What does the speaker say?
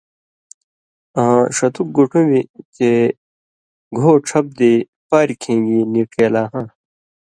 آں ݜتک گُٹُمبیۡ چےۡ گھو ڇھپ دی پاریۡ کِھن٘گی نی ڇېلاہاں،